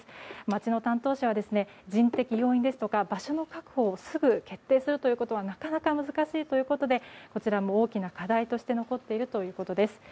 町の担当者は人的要因ですとか場所の確保をすぐ決定するということはなかなか難しいということでこちらも大きな課題として残っているということです。